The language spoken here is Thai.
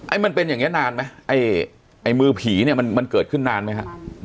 มันเป็นอย่างนี้นานไหมไอ้ไอ้มือผีเนี่ยมันมันเกิดขึ้นนานไหมฮะ